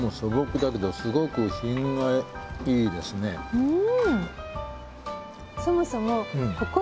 うん。